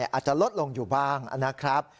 อาจจะลดลงอยู่บ้างนะครับ